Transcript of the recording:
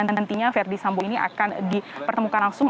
nantinya verdi sambo ini akan dipertemukan langsung